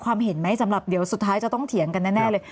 ความเห็นไหมสำหรับเดี๋ยวสุดท้ายจะต้องเถียงกันแน่เลย